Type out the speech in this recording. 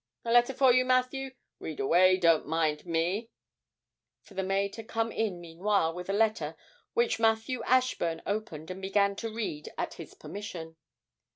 A letter for you, Matthew? read away, don't mind me,' for the maid had come in meanwhile with a letter, which Matthew Ashburn opened and began to read at this permission.